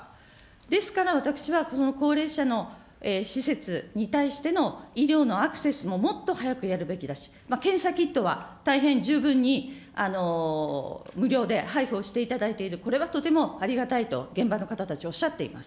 ですから、私はその高齢者の施設に対しての医療のアクセスももっと早くやるべきだし、検査キットは大変十分に無料で配布をしていただいている、これはとてもありがたいと、現場の方たち、おっしゃっています。